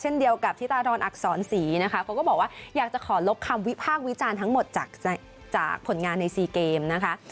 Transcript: เช่นเดียวกับธิตาดรอักษรศรีนะคะเขาก็บอกว่าอยากจะขอลบคำวิพากษ์วิจารณ์ทั้งหมดจากผลงานใน๔เกมนะคะ